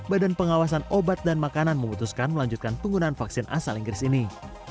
badan pengawasan obat dan makanan memutuskan melanjutkan penggunaan vaksin asal inggris ini